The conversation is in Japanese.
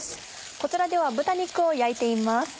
こちらでは豚肉を焼いています。